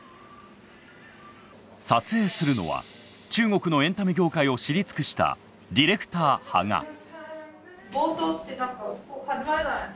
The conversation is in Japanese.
撮影するのは中国のエンタメ業界を知り尽くしたディレクター羽賀。